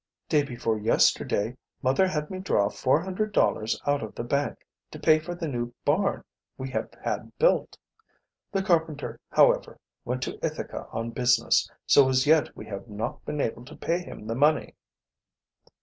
"Day before yesterday mother had me draw four hundred dollars out of the bank, to pay for the new barn we have had built. The carpenter, however, went to Ithaca on business, so as yet we have not been able to pay him the money."